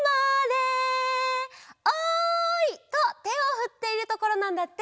「おい」とてをふっているところなんだって。